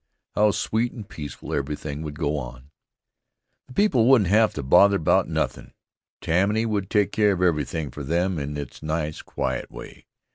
How sweet and peaceful everything would go on! The people wouldn't have to bother about nothin'. Tammany would take care of everything for them in its nice quiet way.